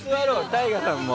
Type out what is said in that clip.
ＴＡＩＧＡさんも。